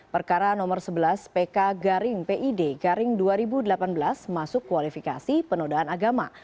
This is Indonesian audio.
perkara nomor sebelas pk garing pid garing dua ribu delapan belas masuk kualifikasi penodaan agama